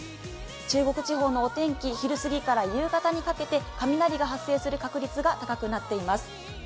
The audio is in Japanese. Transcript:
中国地方のお天気、昼過ぎから夕方にかけて、雷が発生する確率が高くなっています。